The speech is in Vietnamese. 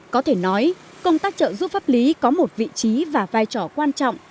có thể nói công tác trợ giúp pháp lý có một vị trí và vai trò quan trọng